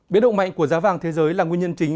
biến động mạnh của giá vàng thế giới là nguyên nhân chính